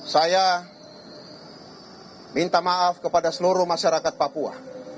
saya minta maaf kepada seluruh masyarakat papua